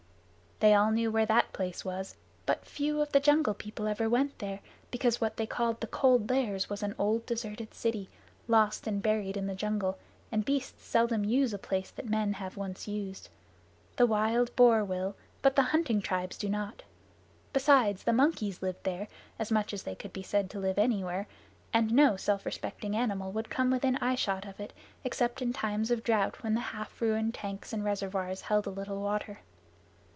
They all knew where that place was, but few of the Jungle People ever went there, because what they called the Cold Lairs was an old deserted city, lost and buried in the jungle, and beasts seldom use a place that men have once used. The wild boar will, but the hunting tribes do not. Besides, the monkeys lived there as much as they could be said to live anywhere, and no self respecting animal would come within eyeshot of it except in times of drought, when the half ruined tanks and reservoirs held a little water.